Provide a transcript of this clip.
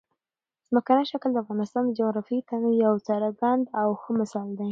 ځمکنی شکل د افغانستان د جغرافیوي تنوع یو څرګند او ښه مثال دی.